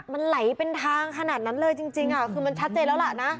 มันไหลเป็นทางขนาดนั้นเลยจริงคือมันชัดเจนแล้วล่ะนะ